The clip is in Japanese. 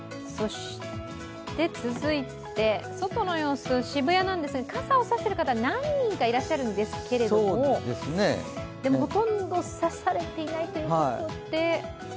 続いて、外の様子、渋谷なんですが傘を差している方、何人かいらっしゃるんですけれども、でもほとんど差されていないということで。